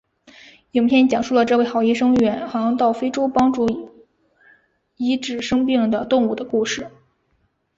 影片讲述了这位好医生远航到非洲帮助医治生病的动物的故事。